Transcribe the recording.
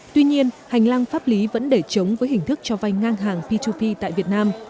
tuy nhiên hành lang pháp lý vẫn để chống với hình thức cho vay ngang hàng p hai p tại việt nam